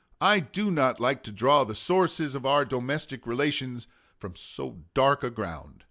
I do not like to draw the sources of our domestic relations from so dark a ground.